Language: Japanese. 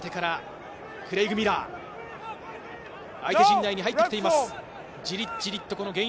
相手陣内に入ってきています。